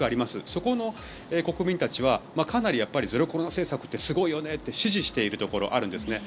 そこの国民たちはかなりゼロコロナ政策ってすごいよねって支持しているところがあるんですね。